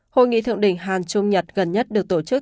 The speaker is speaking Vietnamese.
hội nghị thượng đỉnh hàn trung nhật gần nhất được tổ chức